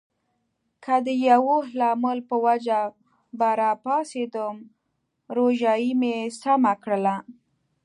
که د یوه لامل په وجه به راپاڅېدم، روژایې مې سمه کړله.